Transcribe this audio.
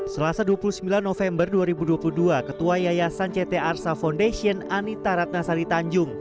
selasa dua puluh sembilan november dua ribu dua puluh dua ketua yayasan ct arsa foundation anita ratnasari tanjung